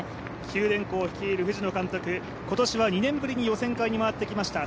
九電工率いる藤野監督、今年は２年ぶりに予選会に回ってきました。